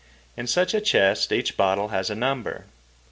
In such a chest each bottle has a number.